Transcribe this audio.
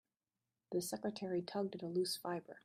The secretary tugged at a loose fibre.